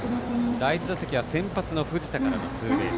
第１打席は藤田からのツーベース。